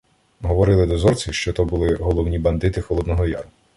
Говорили дозорці, що то були головні бандити Холодного Яру.